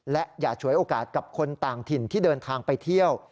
และอย่าฉวยโอกาสกับคนต่างถิ่นที่เดินทางไปเที่ยว